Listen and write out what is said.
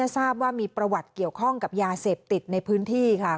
ทราบว่ามีประวัติเกี่ยวข้องกับยาเสพติดในพื้นที่ค่ะ